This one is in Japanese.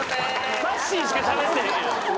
さっしーしかしゃべってへんやん。